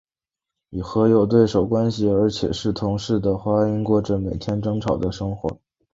和有对手关系而且是同室的花音过着每天争吵的生活。